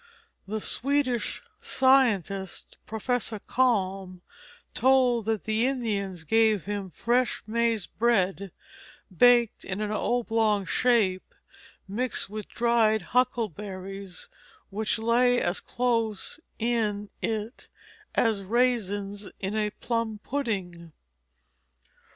The Swedish scientist, Professor Kalm, told that the Indians gave him "fresh maize bread, baked in an oblong shape, mixed with dried huckleberries, which lay as close in it as raisins in a plum pudding."